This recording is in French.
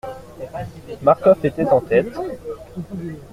Marcof était en tête.